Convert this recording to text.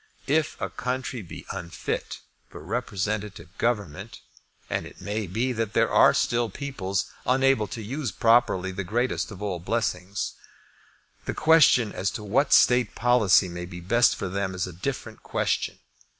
If a country be unfit for representative government, and it may be that there are still peoples unable to use properly that greatest of all blessings, the question as to what state policy may be best for them is a different question.